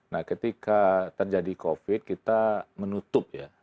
nah ketika terjadi covid kita menutup ya